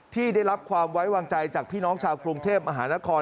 ที่ได้รับความไว้วางใจจากพี่น้องชาวกรุงเทพมหานคร